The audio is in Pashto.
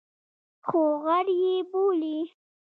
خو غر یې بولي.